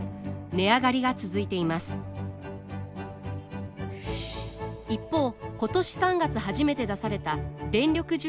値上がりが続いています一方今年３月初めて出された電力需給ひっ迫警報。